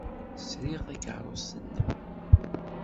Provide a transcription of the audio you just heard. Sriɣ takeṛṛust-nnem.